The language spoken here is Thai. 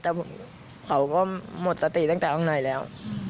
แต่เขาก็หมดสติตั้งแต่ข้างในแล้ว